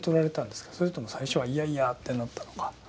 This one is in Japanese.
それとも最初はいやいやってなったのか。